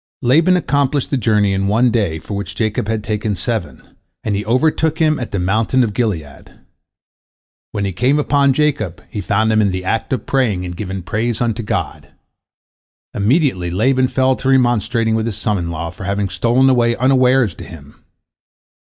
Laban accomplished the journey in one day for which Jacob had taken seven, and he overtook him at the mountain of Gilead. When he came upon Jacob, he found him in the act of praying and giving praise unto God. Immediately Laban fell to remonstrating with his son in law for having stolen away unawares to him.